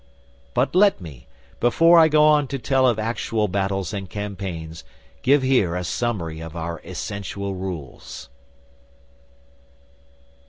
But let me, before I go on to tell of actual battles and campaigns, give here a summary of our essential rules.